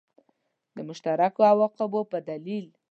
د مشترکو عواقبو په دلیل.